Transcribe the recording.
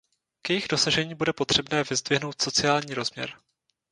K jejich dosažení bude potřebné vyzdvihnout sociální rozměr.